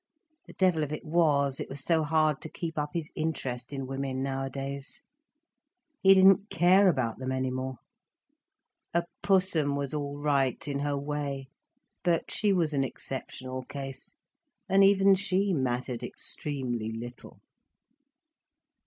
The devil of it was, it was so hard to keep up his interest in women nowadays. He didn't care about them any more. A Pussum was all right in her way, but she was an exceptional case, and even she mattered extremely little.